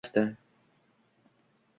Tanigandayam uning kimligini aytmasdi.